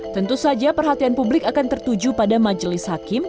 tentu saja perhatian publik akan tertuju pada majelis hakim